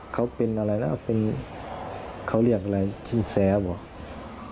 เขาเป็นอะไรนะเป็นเขาเรียกอะไรชิงแสหรือเปล่า